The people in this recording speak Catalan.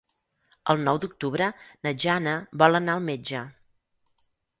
El nou d'octubre na Jana vol anar al metge.